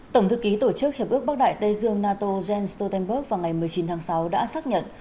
tổng thư ký tổ chức hiệp ước bắc đại tây dương nato jens stoltenberg vào ngày một mươi chín tháng sáu đã xác nhận